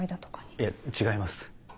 いや違います。